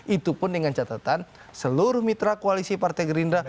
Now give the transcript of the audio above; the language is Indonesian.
itu pun dengan catatan seluruh mitra koalisi partai gerindra